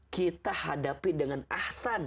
kita hadapi dengan ahsan